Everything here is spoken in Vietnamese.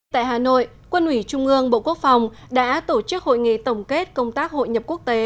tại hà nội quân ủy trung ương bộ quốc phòng đã tổ chức hội nghị tổng kết công tác hội nhập quốc tế